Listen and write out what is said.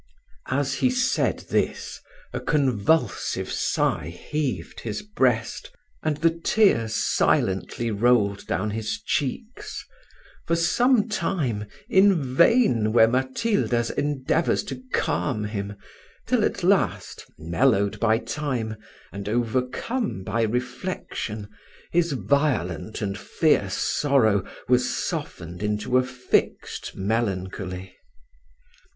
As he said this, a convulsive sigh heaved his breast, and the tears silently rolled down his cheeks; for some time, in vain were Matilda's endeavours to calm him, till at last, mellowed by time, and overcome by reflection, his violent and fierce sorrow was softened into a fixed melancholy.